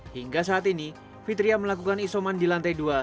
hingga saat ini fitria melakukan isoman di lantai dua